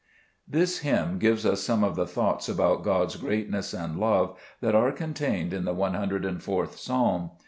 This hymn gives us some of the thoughts about God's greatness and love that are contained in the 104th Psalm.